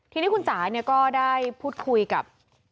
ทีนี้คุณจ๋าก็ได้พูดคุยกับ